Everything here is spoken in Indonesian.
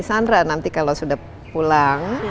sandra nanti kalau sudah pulang